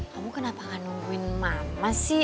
kamu kenapa gak nungguin mama sih